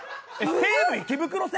西武池袋線？